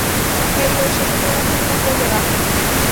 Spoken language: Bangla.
হেই, ওর সাথে তোমার তুলনা করবে না।